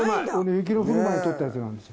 雪の降る前に採ったやつなんです。